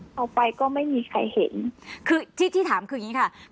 เอาไปก็ไม่มีใครเห็นคือที่ที่ถามคืออย่างนี้ค่ะ